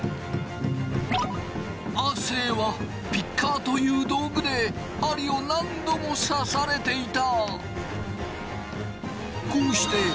亜生はピッカーという道具で針を何度も刺されていた！